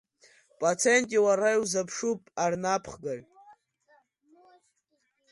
Паценти уара иузыԥшуп, арнапхгаҩ!